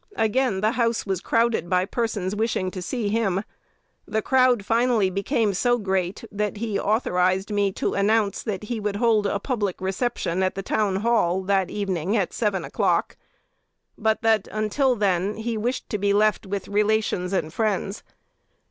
Again the house was crowded by persons wishing to see him. The crowd finally became so great, that he authorized me to announce that he would hold a public reception at the Town Hall that evening at seven o'clock; but that, until then, he wished to be left with relations and friends.